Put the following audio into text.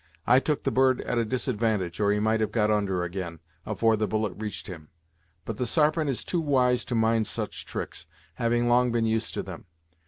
I took the bird at a disadvantage, or he might have got under, again, afore the bullet reached him. But the Sarpent is too wise to mind such tricks, having long been used to them.